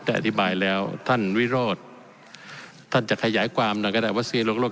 แต่อธิบายแล้วท่านวิโรธท่านจะขยายความนะก็ได้วัคซีนลวงโลก